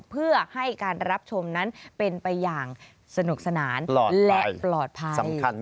เพื่อให้การรับชมนั้นเป็นไปอย่างสนุกสนานและปลอดภัย